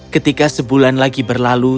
ketika sebulan lagi berlalu